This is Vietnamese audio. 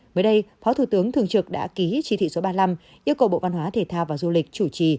mới đây phó thủ tướng thường trực đã ký chỉ thị số ba mươi năm yêu cầu bộ văn hóa thể thao và du lịch chủ trì